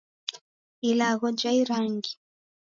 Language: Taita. Ilagho ja irangi.